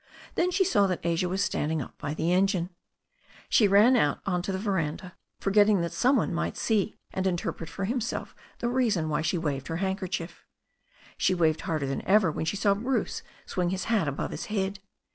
Then she saw that Asia was standing up by the engine. She ran out on to the veranda, forgetting that some one might see and interpret for himself the reason why she waved her handkerchief. She waved harder than ever when she saw Bruce swing his hat above his head.